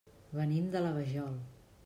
Venim de la Vajol.